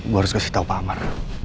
gue harus kasih tahu pak amar